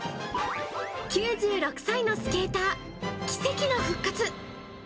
９６歳のスケーター、奇跡の復活！